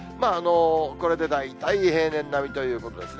これで大体平年並みということですね。